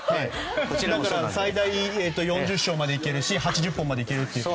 最大４０勝まで行けるし８０本まで行けるという。